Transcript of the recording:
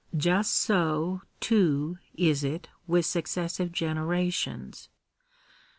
Just so, too, is it with successive generations.